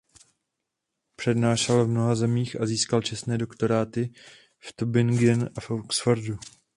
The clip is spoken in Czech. Přednášel v mnoha zemích a získal čestné doktoráty v Tübingen a v Oxfordu.